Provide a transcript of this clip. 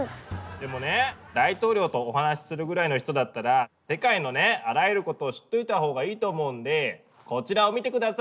でもね大統領とお話しするぐらいの人だったら世界のねあらゆることを知っておいた方がいいと思うんでこちらを見て下さい。